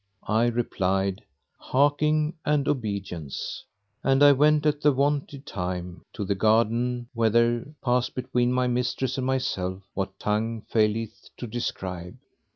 I replied, "Hearkening and obedience!" and I went at the wonted time, to the garden, where there passed between my mistress and myself what tongue faileth to describe.